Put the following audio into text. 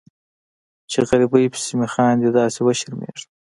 چې غریبۍ پسې مې خاندي داسې وشرمیږم